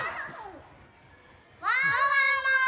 ワンワンも！